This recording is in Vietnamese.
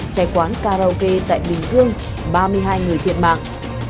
cháy quán karaoke tại bình dương ba mươi hai người thiệt mạng